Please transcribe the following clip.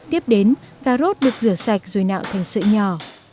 tiếp đến cà rốt được rửa sạch rồi nạo thành sữa nhỏ